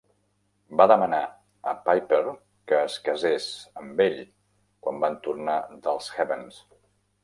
Va demanar a Piper que es casés amb ell quan van tornar dels Heavens.